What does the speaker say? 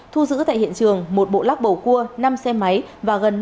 thu giữ tại hiện trường một bộ lắc bầu cua năm xe máy và gần năm mươi triệu đồng tiền